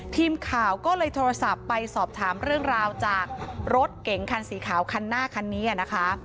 ทีมข่าวก็เลยโทรศัพท์ไปสอบถามเรื่องราวจากรถเก๋งคันสีขาวคันหน้าคันนี้นะคะ